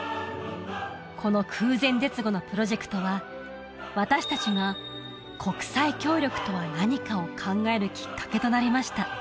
この空前絶後のプロジェクトは私達がを考えるきっかけとなりました